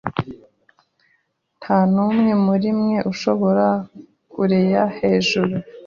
Ntanumwe murimwe ushoora kurea hejuru